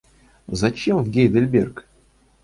Зачем в Гейдельберг?